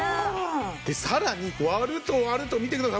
でさらに割ると割ると見てくださいほら！